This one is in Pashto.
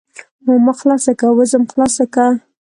ماما خلاصه که وځم خلاصه که.